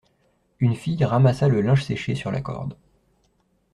Une fille ramassa le linge séché sur la corde.